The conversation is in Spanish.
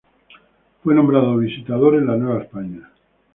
Fue nombrado visitador en la Nueva España.